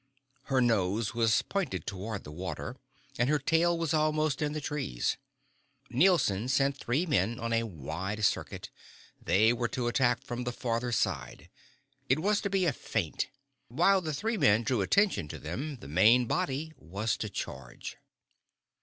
Her nose was pointed toward the water and her tail was almost in the trees. Nielson sent three men on a wide circuit. They were to attack from the farther side. It was to be a feint. While the three men drew attention to them, the main body was to charge.